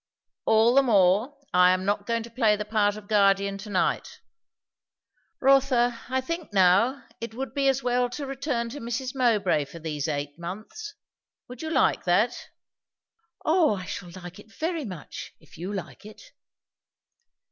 "All the more, I am not going to play the part of guardian to night. Rotha I think now, it would be as well to return to Mrs. Mowbray for these eight months. Would you like that?" "O I shall like it very much! if you like it."